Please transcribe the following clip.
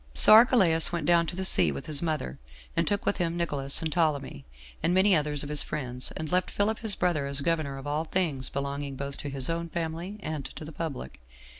So Archelaus went down to the sea with his mother, and took with him Nicolaus and Ptolemy, and many others of his friends, and left Philip his brother as governor of all things belonging both to his own family and to the public.